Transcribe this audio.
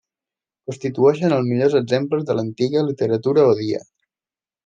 Constitueixen els millors exemples de l'antiga literatura Odia.